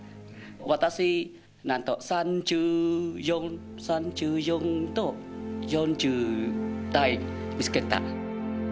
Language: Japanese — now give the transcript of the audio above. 私なんと３４と４０体見つけた。